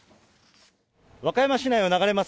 和歌山市内を流れます